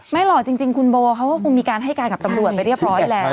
หล่อจริงคุณโบเขาก็คงมีการให้การกับตำรวจไปเรียบร้อยแล้ว